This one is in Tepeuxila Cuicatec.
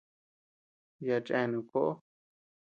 Yaʼa chenu koʼo.